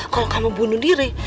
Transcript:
kalau kamu bunuh diri